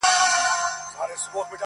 په لس ګونو چي مي خپل خپلوان وژلي!.